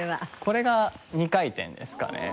これが２回転ですかね。